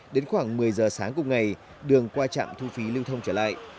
đến khoảng một mươi giờ sáng cùng ngày đường qua trạm thu phí lưu thông trở lại